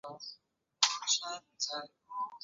在长条形的猪圈中关着大小两头猪。